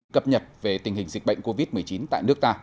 cập nhật về tình hình dịch bệnh covid một mươi chín tại nước ta